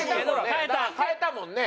変えたもんね。